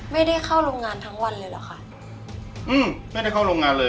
ไม่ได้เข้าโรงงานทั้งวันเลยหรอกค่ะอืมไม่ได้เข้าโรงงานเลย